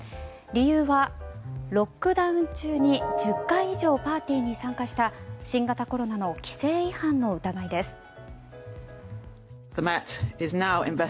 理由は、ロックダウン中に１０回以上パーティーに参加した新型コロナの規制違反の疑いです。